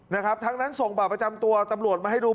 นะครับทั้งนั้นส่งบัตรประจำตัวตำรวจมาให้ดู